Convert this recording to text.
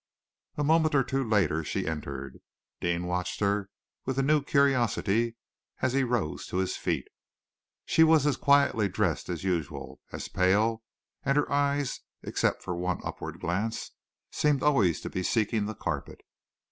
A moment or two later she entered. Deane watched her with a new curiosity as he rose to his feet. She was as quietly dressed as usual, as pale, and her eyes, except for one upward glance, seemed always to be seeking the carpet.